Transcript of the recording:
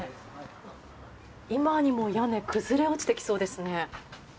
今にも屋根崩れ落ちてきそうですね。